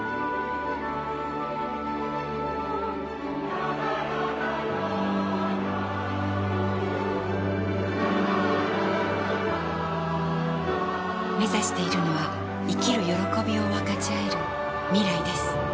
ラララめざしているのは生きる歓びを分かちあえる未来です